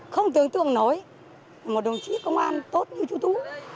không tưởng tượng nổi một đồng chí công an tốt như chú tú